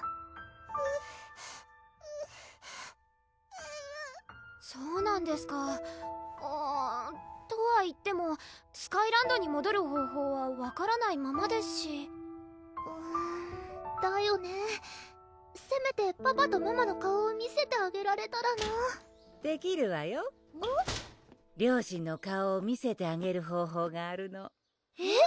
えええるぅそうなんですかうんとはいってもスカイランドにもどる方法は分からないままですしうむだよねぇせめてパパとママの顔を見せてあげられたらなぁ・・・できるわよ・両親の顔を見せてあげる方法があるのえっ？